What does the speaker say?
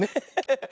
ハハハ！